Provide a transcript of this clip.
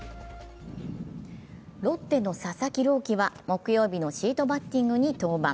ロッテの佐々木朗希は木曜日のシートバッティングに登板。